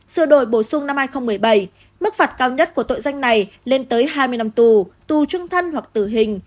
sửa đổi bổ sung năm hai nghìn một mươi bảy mức phạt cao nhất của tội danh này lên tới hai mươi năm tù tù trung thân hoặc tử hình